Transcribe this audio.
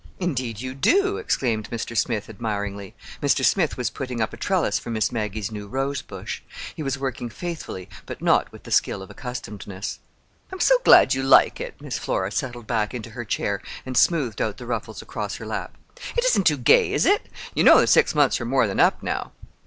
"Indeed, you do!" exclaimed Mr. Smith admiringly. Mr. Smith was putting up a trellis for Miss Maggie's new rosebush. He was working faithfully, but not with the skill of accustomedness. "I'm so glad you like it!" Miss Flora settled back into her chair and smoothed out the ruffles across her lap. "It isn't too gay, is it? You know the six months are more than up now."